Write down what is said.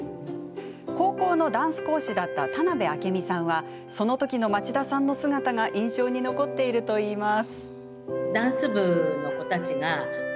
高校のダンス講師だった田辺明美さんはそのときの町田さんの姿が印象に残っているといいます。